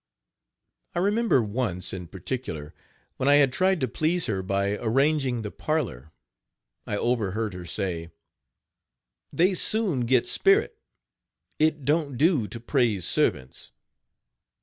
I remember once, in particular, when I had tried to please her by arranging the parlor, I overheard her say: "They soon get spirit it don't do to praise servants."